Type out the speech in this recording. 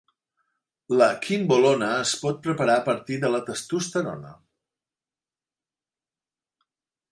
La quimbolona es pot preparar a partir de testosterona.